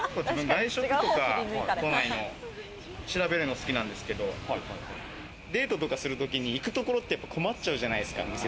外食とか、都内の調べるのが好きなんですけど、デートとかするときに行くところって困っちゃうじゃないですか。